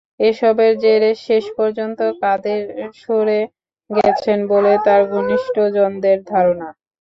এসবের জেরে শেষ পর্যন্ত কাদের সরে গেছেন বলে তাঁর ঘনিষ্ঠজনদের ধারণা।